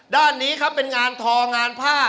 ด้านนี้ครับเป็นงานทองงานผ้า